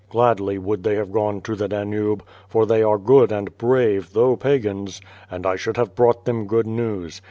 Gladly would thoy have gone to the Danube, for they are good and brave, tliougli Pagans. And I should have brought them good news.